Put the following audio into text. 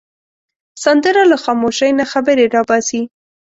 سندره له خاموشۍ نه خبرې را باسي